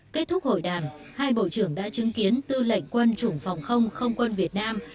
kết thúc hội đàm hai bộ trưởng đã chứng kiến tư lệnh quân chủng phòng không không quân việt nam